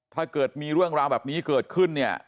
ถ้าเกิดมีเรื่องราวแบบนี้เกิดขึ้นเนี่ย